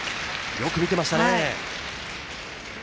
よく見ていましたね。